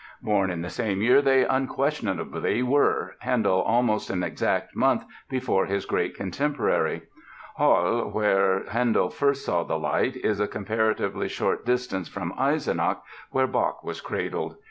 Born in the same year they unquestionably were, Handel almost an exact month before his great contemporary. Halle, where Handel first saw the light, is a comparatively short distance from Eisenach, where Bach was cradled.